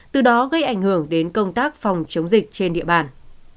từ đó gây ảnh hưởng đến công tác phòng chống dịch trên địa bàn